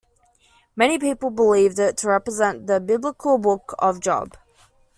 Many people believed it to represent the biblical Book of Job.